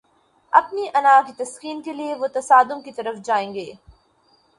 اپنی انا کی تسکین کے لیے وہ تصادم کی طرف جائیں گے۔